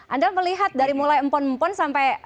anda melihat dari mulai empon empon sampai kalung antivirus